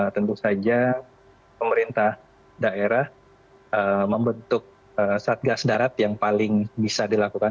tentu saja pemerintah daerah membentuk satgas darat yang paling bisa dilakukan